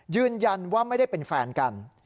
ยืนยันว่าไม่ได้เป็นแฟนกัน